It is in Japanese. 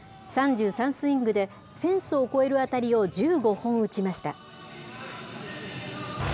３３スイングでフェンスを越える当たりを１５本打ちました。